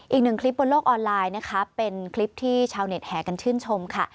อีกหนึ่งคลิปบนโลกออนไลน์นะคะเป็นคลิปที่ชาวเน็ตแห่กันชื่นชมค่ะ